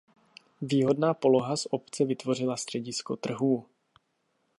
Výhodná poloha z obce vytvořila středisko trhů.